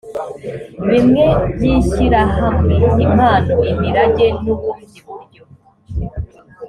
bimwe by’ishyirahamwe impano imirage n’ubundi buryo